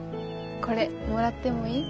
これもらってもいい？